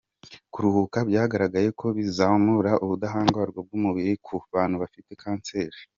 Kuruhuka byagaragaye ko bizamura ubudahangarwa bw’umubiri ku bantu bafite Kanseri.